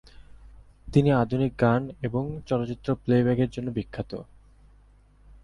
তিনি আধুনিক গান এবং চলচ্চিত্র প্লেব্যাক এর জন্য বিখ্যাত।